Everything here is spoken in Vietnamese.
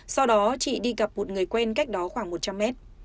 sau đó chị đi gặp một người quen cách đó khoảng một trăm linh mét